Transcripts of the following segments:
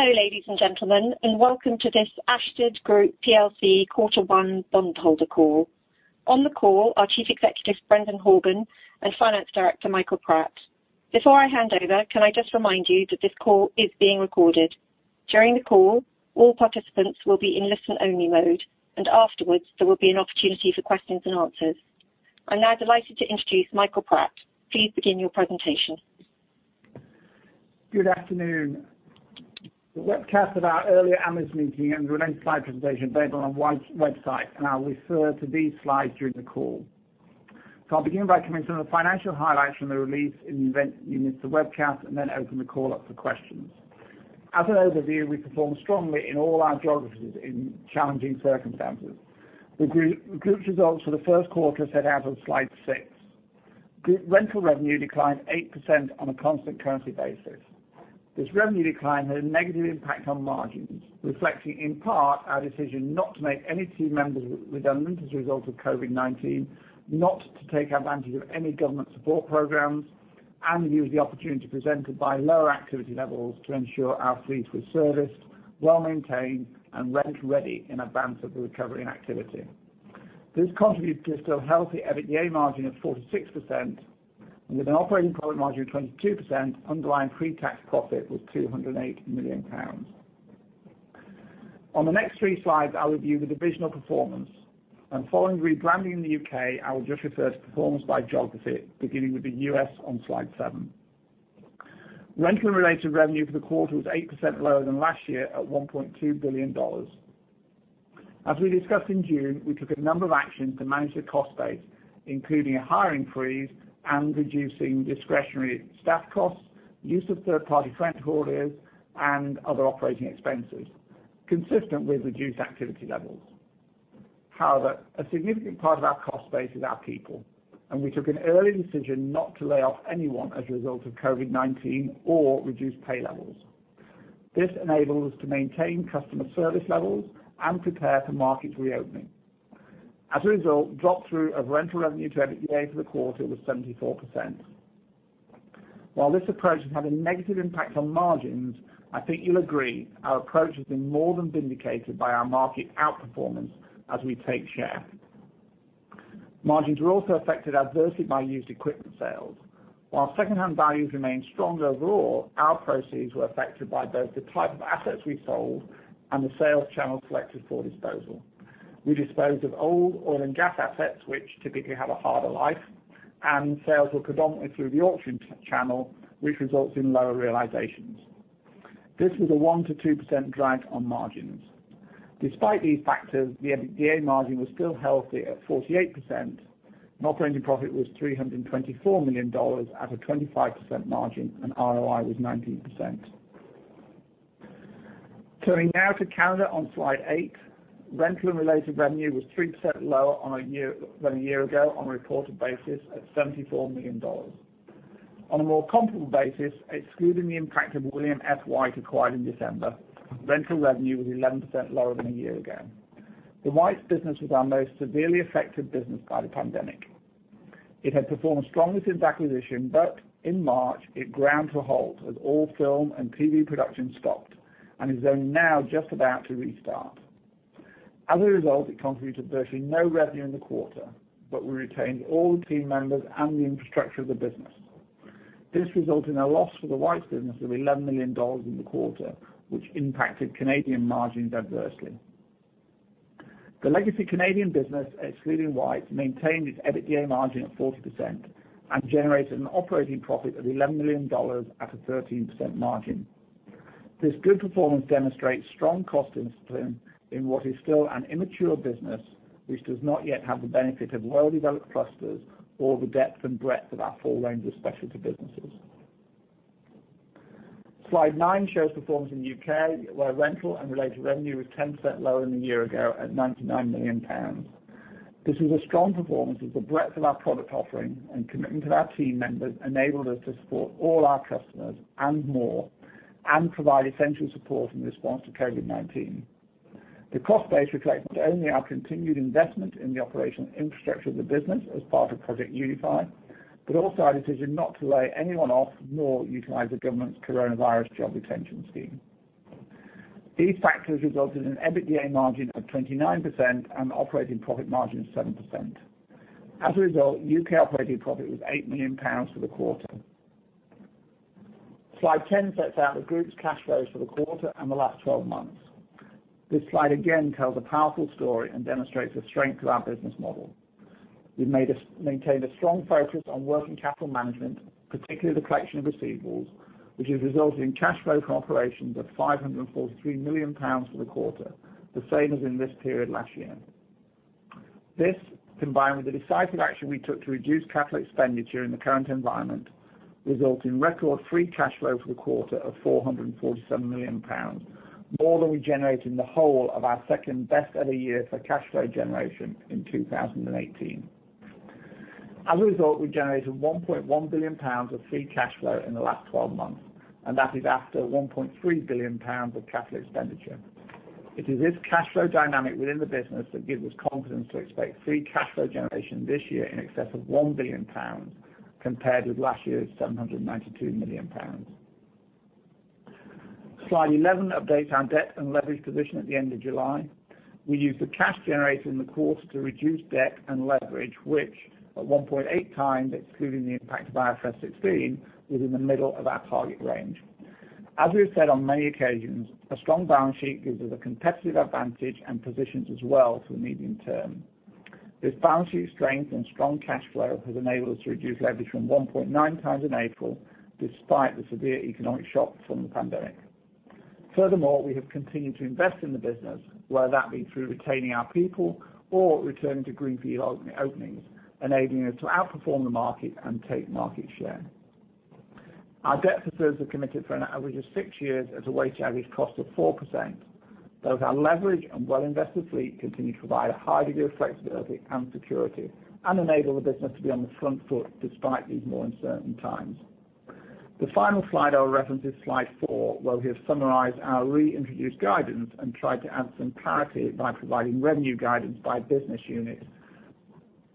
Hello, ladies and gentlemen, and welcome to this Ashtead Group Plc Quarter One bondholder call. On the call are Chief Executive Brendan Horgan and Finance Director Michael Pratt. Before I hand over, can I just remind you that this call is being recorded? During the call, all participants will be in listen-only mode, and afterwards, there will be an opportunity for questions and answers. I'm now delighted to introduce Michael Pratt. Please begin your presentation. Good afternoon. The webcast of our earlier Analyst meeting and the related slide presentation are available on the website and I'll refer to these slides during the call. I'll begin by coming through the financial highlights from the release and event units of the webcast, and then open the call up for questions. As an overview, we perform strongly in all our geographies in challenging circumstances. The group's results for the first quarter are set out on slide six. Group rental revenue declined 8% on a constant currency basis. This revenue decline had a negative impact on margins, reflecting in part our decision not to make any team members redundant as a result of COVID-19, not to take advantage of any government support programs, and use the opportunity presented by lower activity levels to ensure our fleets were serviced, well maintained, and rent-ready in advance of the recovery in activity. This contributed to a still healthy EBITDA margin of 46%, and with an operating profit margin of 22%, underlying pre-tax profit was 208 million pounds. On the next three slides, I'll review the divisional performance. Following the rebranding in the U.K., I will just refer to performance by geography, beginning with the U.S. on slide seven. Rental-related revenue for the quarter was 8% lower than last year at $1.2 billion. As we discussed in June, we took a number of actions to manage the cost base, including a hiring freeze and reducing discretionary staff costs, use of third-party rent holders, and other operating expenses, consistent with reduced activity levels. However, a significant part of our cost base is our people, and we took an early decision not to lay off anyone as a result of COVID-19 or reduced pay levels. This enabled us to maintain customer service levels and prepare for market reopening. As a result, drop-through of rental revenue to EBITDA for the quarter was 74%. While this approach has had a negative impact on margins, I think you'll agree our approach has been more than vindicated by our market outperformance as we take share. Margins were also affected adversely by used equipment sales. While second-hand values remained strong overall, our proceeds were affected by both the type of assets we sold and the sales channels selected for disposal. We disposed of old oil and gas assets, which typically have a harder life, and sales were predominantly through the auction channel, which results in lower realizations. This was a 1%-2% drag on margins. Despite these factors, the EBITDA margin was still healthy at 48%. Operating profit was $324 million at a 25% margin, and ROI was 19%. Turning now to Canada on slide eight, rental-related revenue was 3% lower than a year ago on a reported basis at $74 million. On a more comparable basis, excluding the impact of William F. White acquired in December, rental revenue was 11% lower than a year ago. The White's business was our most severely affected business by the pandemic. It had performed strongly since acquisition, but in March, it ground to a halt as all film and TV production stopped and is only now just about to restart. As a result, it contributed virtually no revenue in the quarter, but we retained all the team members and the infrastructure of the business. This resulted in a loss for the White's business of $11 million in the quarter, which impacted Canadian margins adversely. The legacy Canadian business, excluding White, maintained its EBITDA margin at 40% and generated an operating profit of $11 million at a 13% margin. This good performance demonstrates strong cost discipline in what is still an immature business, which does not yet have the benefit of well-developed clusters or the depth and breadth of our full range of specialty businesses. Slide nine shows performance in the U.K., where rental and related revenue was 10% lower than a year ago at 99 million pounds. This was a strong performance as the breadth of our product offering and commitment of our team members enabled us to support all our customers and more and provide essential support in response to COVID-19. The cost base reflects not only our continued investment in the operational infrastructure of the business as part of Project Unify, but also our decision not to lay anyone off nor utilize the government's coronavirus job retention scheme. These factors resulted in an EBITDA margin of 29% and operating profit margin of 7%. As a result, U.K. operating profit was 8 million pounds for the quarter. Slide 10 sets out the group's cash flows for the quarter and the last 12 months. This slide again tells a powerful story and demonstrates the strength of our business model. We've maintained a strong focus on working capital management, particularly the collection of receivables, which has resulted in cash flow from operations of 543 million pounds for the quarter, the same as in this period last year. This, combined with the decisive action we took to reduce capital expenditure in the current environment, resulted in record free cash flow for the quarter of 447 million pounds, more than we generated in the whole of our second best ever year for cash flow generation in 2018. As a result, we generated 1.1 billion pounds of free cash flow in the last 12 months, and that is after 1.3 billion pounds of capital expenditure. It is this cash flow dynamic within the business that gives us confidence to expect free cash flow generation this year in excess of 1 billion pounds, compared with last year's 792 million pounds. Slide 11 updates our debt and leverage position at the end of July. We used the cash generated in the quarter to reduce debt and leverage, which, at 1.8 times, excluding the impact of IFRS 16, was in the middle of our target range. As we have said on many occasions, a strong balance sheet gives us a competitive advantage and positions us well for the medium term. This balance sheet strength and strong cash flow has enabled us to reduce leverage from 1.9x in April, despite the severe economic shock from the pandemic. Furthermore, we have continued to invest in the business, whether that be through retaining our people or returning to greenfield openings, enabling us to outperform the market and take market share. Our debt facilities are committed for an average of six years at a weighted average cost of 4%. Both our leveraged and well-invested fleet continue to provide a high degree of flexibility and security and enable the business to be on the front foot despite these more uncertain times. The final slide I will reference is slide four, where we have summarized our reintroduced guidance and tried to add some clarity by providing revenue guidance by business units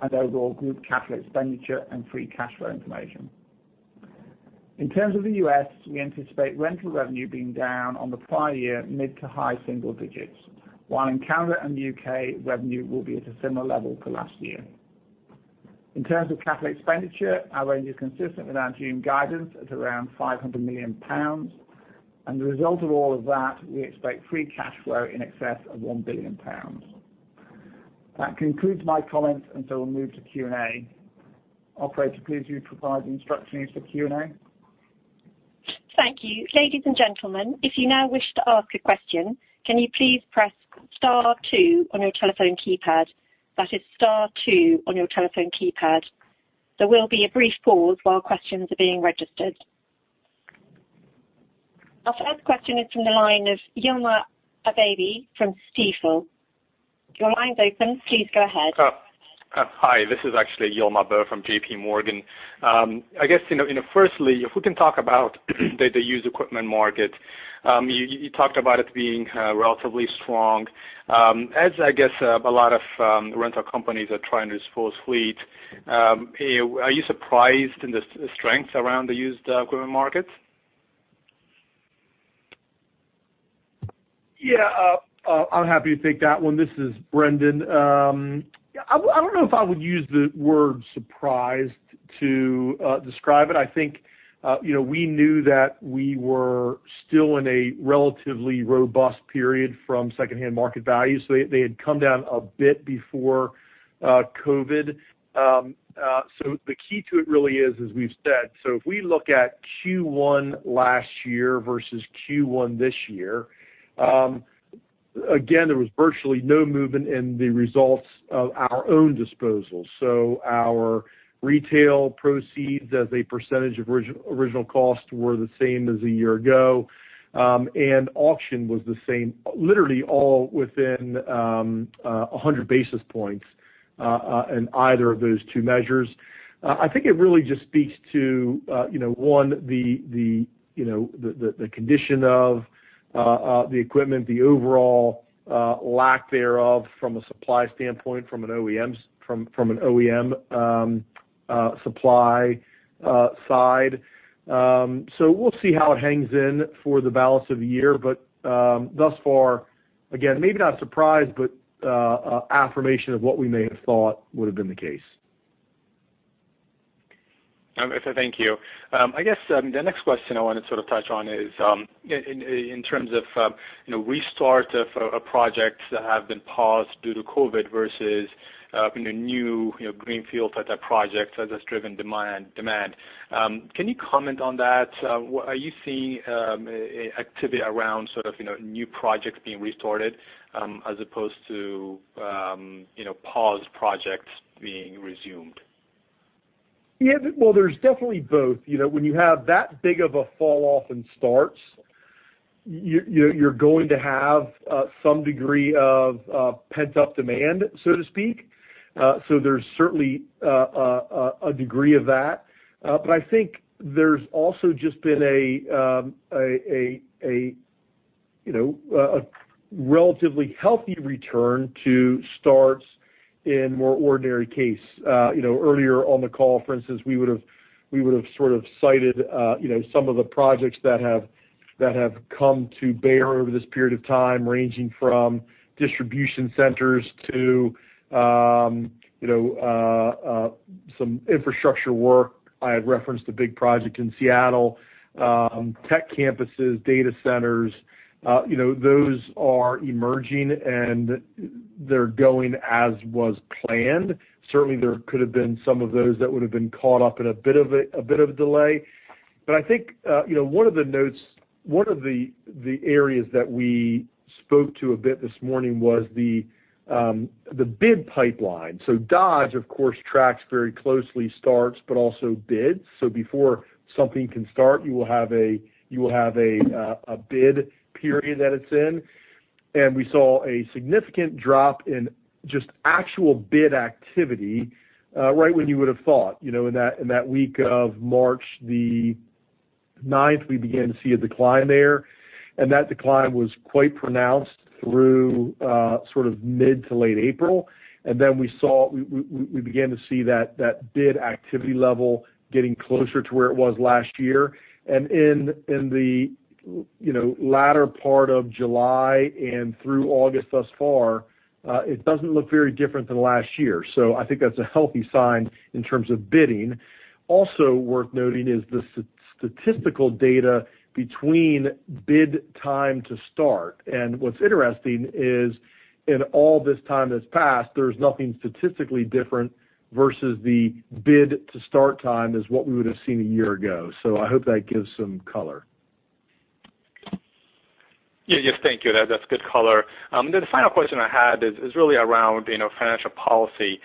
and overall group capital expenditure and free cash flow information. In terms of the U.S., we anticipate rental revenue being down on the prior year mid to high single digits, while in Canada and the U.K., revenue will be at a similar level to last year. In terms of capital expenditure, our range is consistent with our June guidance at around 500 million pounds, and the result of all of that, we expect free cash flow in excess of 1 billion pounds. That concludes my comments, and so we'll move to Q&A. Operator, please review provided instructions for Q&A. Thank you. Ladies and gentlemen, if you now wish to ask a question, can you please press star two on your telephone keypad? That is star two on your telephone keypad. There will be a brief pause while questions are being registered. Our first question is from the line of Yilmaz from JPMorgan. Your line's open. Please go ahead. Hi, this is actually Yilmaz Bur from JPMorgan. I guess, firstly, if we can talk about the used equipment market, you talked about it being relatively strong. As, I guess, a lot of rental companies are trying to dispose fleet, are you surprised in the strength around the used equipment market? Yeah, I'm happy to take that one. This is Brendan. I don't know if I would use the word surprised to describe it. I think we knew that we were still in a relatively robust period from second-hand market value. They had come down a bit before COVID. The key to it really is, as we've said, if we look at Q1 last year versus Q1 this year, again, there was virtually no movement in the results of our own disposals. Our retail proceeds as a percentage of original cost were the same as a year ago, and auction was the same, literally all within 100 basis points in either of those two measures. I think it really just speaks to, one, the condition of the equipment, the overall lack thereof from a supply standpoint, from an OEM supply side. We'll see how it hangs in for the balance of the year, but thus far, again, maybe not surprised, but affirmation of what we may have thought would have been the case. Ashtead, thank you. I guess the next question I wanted to sort of touch on is in terms of restart of projects that have been paused due to COVID versus new greenfield type of projects as it's driven demand. Can you comment on that? Are you seeing activity around sort of new projects being restarted as opposed to paused projects being resumed? Yeah, there's definitely both. When you have that big of a falloff in starts, you're going to have some degree of pent-up demand, so to speak. There's certainly a degree of that. I think there's also just been a relatively healthy return to starts in more ordinary case. Earlier on the call, for instance, we would have sort of cited some of the projects that have come to bear over this period of time, ranging from distribution centers to some infrastructure work. I had referenced the big project in Seattle, tech campuses, data centers. Those are emerging, and they're going as was planned. Certainly, there could have been some of those that would have been caught up in a bit of a delay. I think one of the notes, one of the areas that we spoke to a bit this morning was the bid pipeline. Dodge, of course, tracks very closely starts, but also bids. Before something can start, you will have a bid period that it's in. We saw a significant drop in just actual bid activity right when you would have thought. In that week of March 9, we began to see a decline there. That decline was quite pronounced through sort of mid to late April. We began to see that bid activity level getting closer to where it was last year. In the latter part of July and through August thus far, it does not look very different than last year. I think that is a healthy sign in terms of bidding. Also worth noting is the statistical data between bid time to start. What's interesting is in all this time that's passed, there's nothing statistically different versus the bid to start time as what we would have seen a year ago.I hope that gives some color. Yeah, yes, thank you. That's good color. The final question I had is really around financial policy.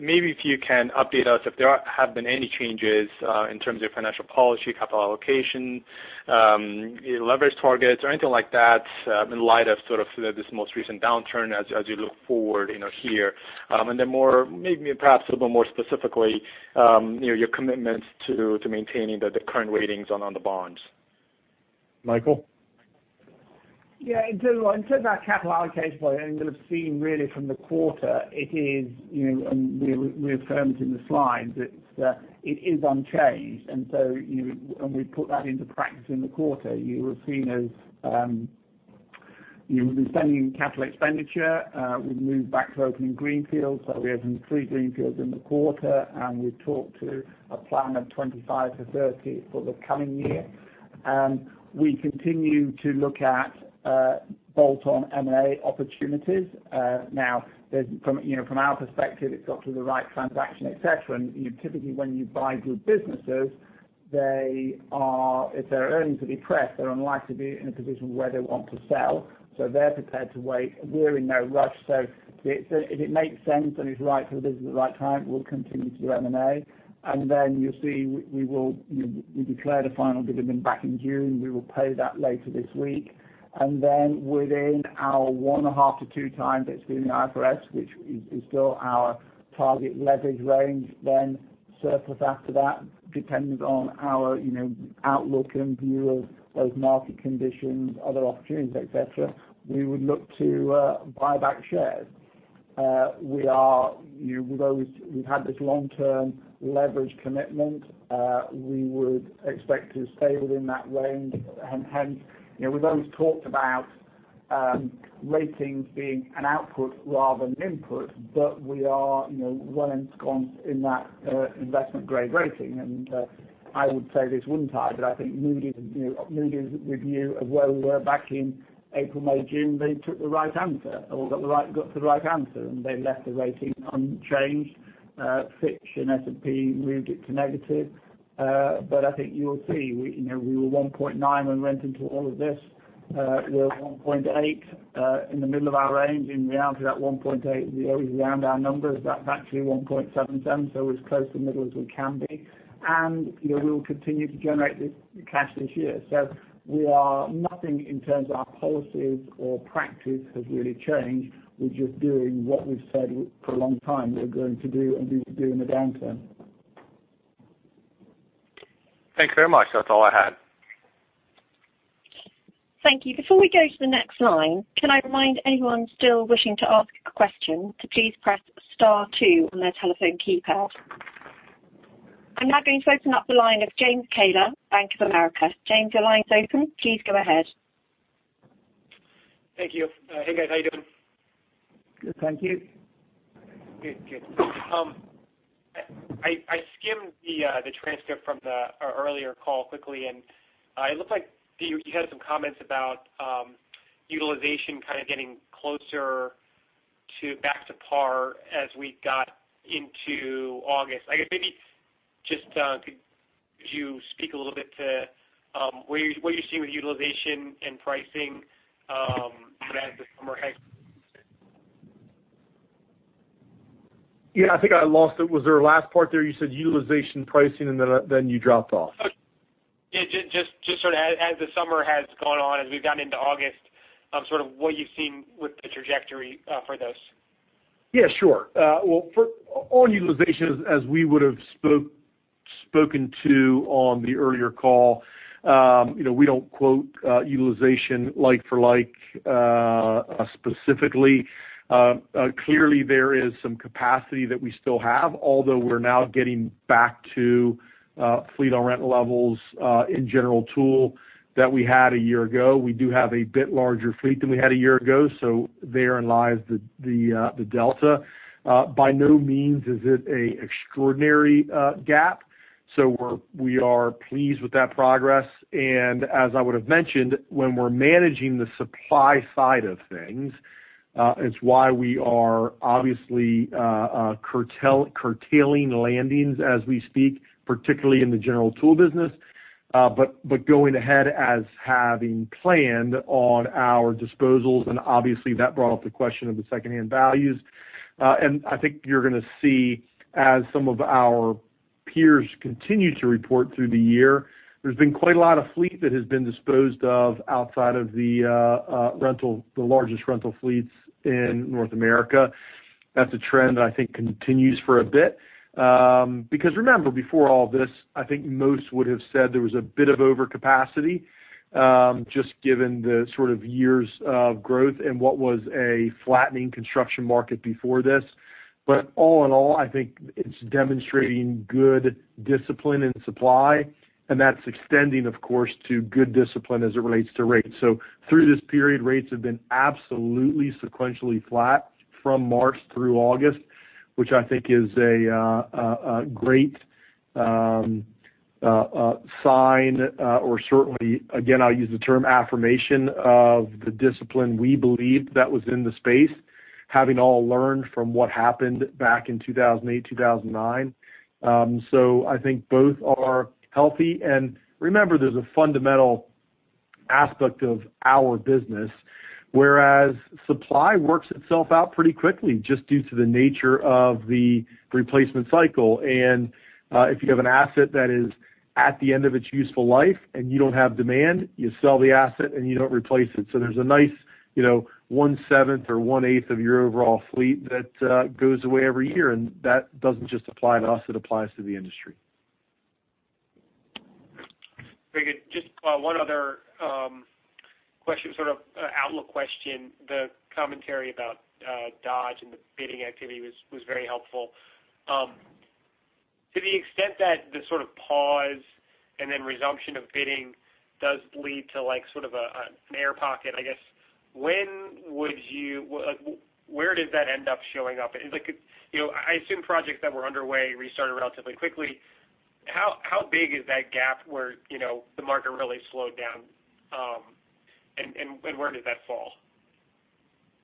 Maybe if you can update us if there have been any changes in terms of your financial policy, capital allocation, leverage targets, or anything like that in light of sort of this most recent downturn as you look forward here. Maybe perhaps a little bit more specifically, your commitments to maintaining the current ratings on the bonds. Michael. Yeah, in terms of our capital allocation point, and we've seen really from the quarter, it is, and we're affirming in the slides, it is unchanged. In practice in the quarter, you have seen as we've been spending capital expenditure. We've moved back to opening greenfields, so we opened three greenfields in the quarter, and we've talked to a plan of 25-30 for the coming year. We continue to look at bolt-on M&A opportunities. Now, from our perspective, it's got to be the right transaction, etc. Typically, when you buy good businesses, if their earnings are depressed, they're unlikely to be in a position where they want to sell. They are prepared to wait. We're in no rush. If it makes sense and it's right for the business at the right time, we'll continue to do M&A. You will see we declared a final dividend back in June. We will pay that later this week. Within our one and a half to two times that has been in IFRS, which is still our target leverage range, surplus after that, depending on our outlook and view of those market conditions, other opportunities, etc., we would look to buy back shares. We have had this long-term leverage commitment. We would expect to stay within that range. We have always talked about ratings being an output rather than an input, but we are well ensconced in that investment-grade rating. I would say this would not tie, but I think Moody's review of where we were back in April, May, June, they took the right answer. We got to the right answer, and they left the rating unchanged. Fitch and S&P moved it to negative. I think you will see we were 1.9 when we went into all of this. We're 1.8 in the middle of our range. In reality, that 1.8 is always around our numbers. That's actually 1.77, so we're as close to the middle as we can be. We will continue to generate this cash this year. Nothing in terms of our policies or practice has really changed. We're just doing what we've said for a long time we're going to do, and we will do in the downturn. Thank you very much. That's all I had. Thank you. Before we go to the next line, can I remind anyone still wishing to ask a question to please press star two on their telephone keypad? I'm now going to open up the line of James Kay, Bank of America. James, your line's open. Please go ahead. Thank you. Hey, guys. How are you doing? Good. Thank you. Good, good. I skimmed the transcript from the earlier call quickly, and it looked like you had some comments about utilization kind of getting closer back to par as we got into August. I guess maybe just could you speak a little bit to what you're seeing with utilization and pricing as the summer has? Yeah, I think I lost it. Was there a last part there? You said utilization, pricing, and then you dropped off. Oh, yeah. Just sort of as the summer has gone on, as we've gotten into August, sort of what you've seen with the trajectory for those? Yeah, sure. On utilization, as we would have spoken to on the earlier call, we do not quote utilization like for like specifically. Clearly, there is some capacity that we still have, although we are now getting back to fleet on rental levels in general tool that we had a year ago. We do have a bit larger fleet than we had a year ago, so therein lies the delta. By no means is it an extraordinary gap. We are pleased with that progress. As I would have mentioned, when we are managing the supply side of things, it is why we are obviously curtailing landings as we speak, particularly in the general tool business, but going ahead as having planned on our disposals. Obviously, that brought up the question of the second-hand values. I think you're going to see, as some of our peers continue to report through the year, there's been quite a lot of fleet that has been disposed of outside of the largest rental fleets in North America. That's a trend that I think continues for a bit. Remember, before all this, I think most would have said there was a bit of overcapacity just given the sort of years of growth and what was a flattening construction market before this. All in all, I think it's demonstrating good discipline in supply, and that's extending, of course, to good discipline as it relates to rates. Through this period, rates have been absolutely sequentially flat from March through August, which I think is a great sign or certainly, again, I'll use the term affirmation of the discipline we believe that was in the space, having all learned from what happened back in 2008, 2009. I think both are healthy. Remember, there's a fundamental aspect of our business, whereas supply works itself out pretty quickly just due to the nature of the replacement cycle. If you have an asset that is at the end of its useful life and you do not have demand, you sell the asset and you do not replace it. There is a nice one-seventh or one-eighth of your overall fleet that goes away every year. That does not just apply to us. It applies to the industry. Very good. Just one other question, sort of outlook question. The commentary about Dodge and the bidding activity was very helpful. To the extent that the sort of pause and then resumption of bidding does lead to sort of an air pocket, I guess, when would you where does that end up showing up? I assume projects that were underway restarted relatively quickly. How big is that gap where the market really slowed down? And where does that fall?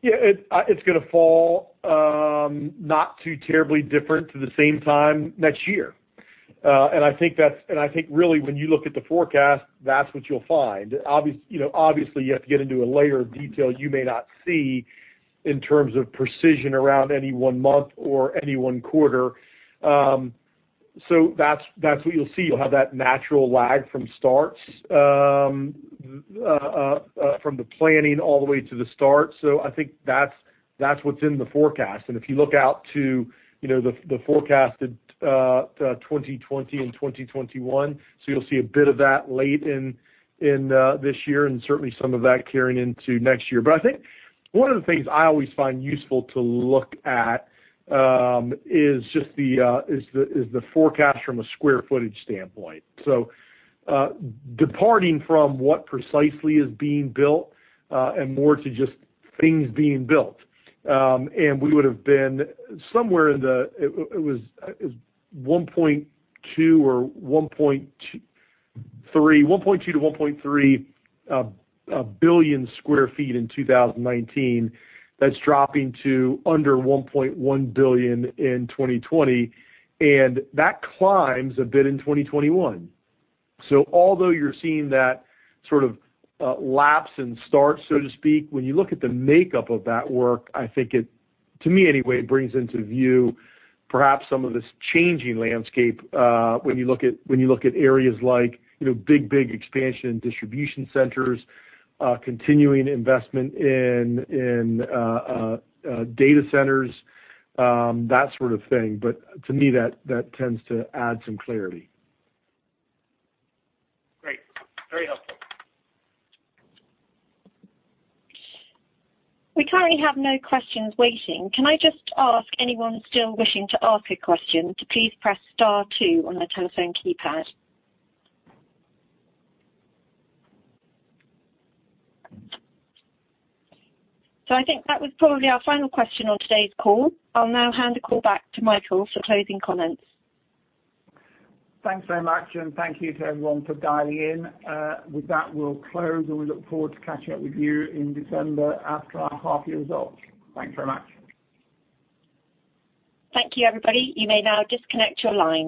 Yeah, it's going to fall not too terribly different to the same time next year. I think really, when you look at the forecast, that's what you'll find. Obviously, you have to get into a layer of detail you may not see in terms of precision around any one month or any one quarter. That's what you'll see. You'll have that natural lag from starts, from the planning all the way to the start. I think that's what's in the forecast. If you look out to the forecasted 2020 and 2021, you'll see a bit of that late in this year and certainly some of that carrying into next year. I think one of the things I always find useful to look at is just the forecast from a square footage standpoint. Departing from what precisely is being built and more to just things being built. We would have been somewhere in the, it was 1.2 or 1.3, 1.2-1.3 billion sq ft in 2019. That is dropping to under 1.1 billion in 2020. That climbs a bit in 2021. Although you're seeing that sort of lapse and start, so to speak, when you look at the makeup of that work, I think it, to me anyway, brings into view perhaps some of this changing landscape when you look at areas like big, big expansion in distribution centers, continuing investment in data centers, that sort of thing. To me, that tends to add some clarity. Great. Very helpful. We currently have no questions waiting. Can I just ask anyone still wishing to ask a question to please press star two on their telephone keypad? I think that was probably our final question on today's call. I'll now hand the call back to Michael for closing comments. Thanks very much. Thank you to everyone for dialing in. With that, we'll close and we look forward to catching up with you in December after our half-year results. Thanks very much. Thank you, everybody. You may now disconnect your line.